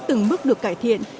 từng bước được cải thiện